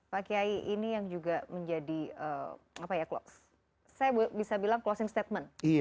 pak kiai ini yang juga menjadi closing statement